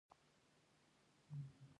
اخره زمانه شوه د چرګانو یارانه شوه.